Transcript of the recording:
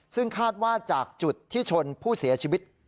ซึ่งคาดว่าจากจุดที่ชนผู้เสียชีวิต